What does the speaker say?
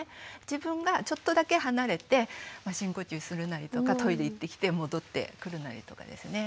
自分がちょっとだけ離れて深呼吸するなりとかトイレ行ってきて戻ってくるなりとかですね。